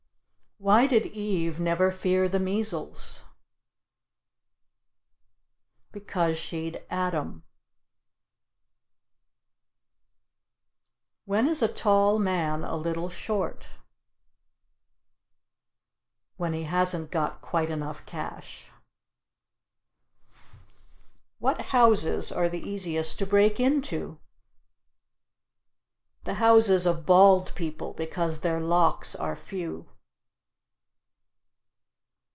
Why did Eve never fear the measles? Because she'd Adam. When is a tall man a little short? When he hasn't got quite enough cash. What houses are the easiest to break into? The houses of bald people; because their locks are few.